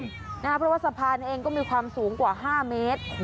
เพราะว่าสะพานเองก็มีความสูงกว่า๕เมตร